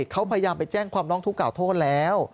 เขาพยายามไปแจ้งความร้องทุกข่าโทษแล้ว